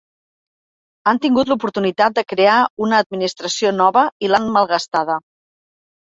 Han tingut l’oportunitat de crear una administració nova i l’han malgastada.